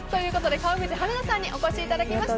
川口春奈さんにお越しいただきました。